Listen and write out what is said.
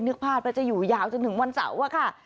พลาดว่าจะอยู่ยาวจนถึงวันเสาร์อะค่ะ